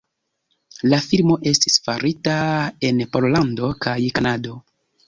La filmo estis farita en Pollando kaj Kanado.